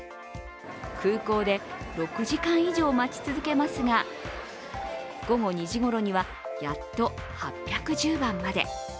空港で６時間以上待ち続けますが午後２時ごろには、やっと８１０番まで。